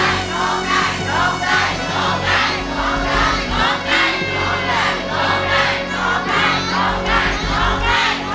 ร้องได้